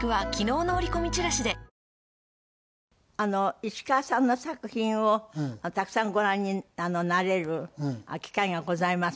石川さんの作品をたくさんご覧になれる機会がございます。